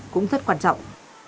cũng rất quan trọng